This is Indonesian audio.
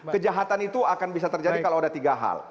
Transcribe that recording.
kejahatan itu akan bisa terjadi kalau ada tiga hal